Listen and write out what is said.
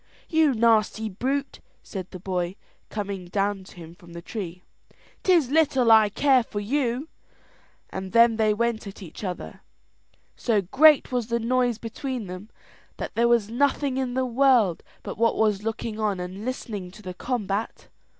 "You nasty brute," said the cowboy, coming down to him from the tree, "'tis little I care for you;" and then they went at each other. So great was the noise between them that there was nothing in the world but what was looking on and listening to the combat.